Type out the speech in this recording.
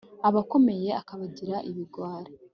abakomeye akabagira ibigwari